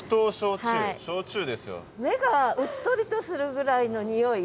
目がうっとりとするぐらいの匂い。